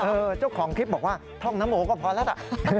เจ้าของคลิปบอกว่าท่องน้ำหมูก็พอแล้วล่ะ